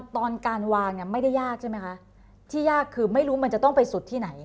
ตอนการวางเนี่ยไม่ได้ยากใช่ไหมคะที่ยากคือไม่รู้มันจะต้องไปสุดที่ไหน